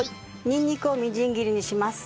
にんにくをみじん切りにします。